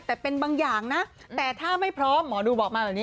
แต่เป็นบางอย่างนะแต่ถ้าไม่พร้อมหมอดูบอกมาแบบนี้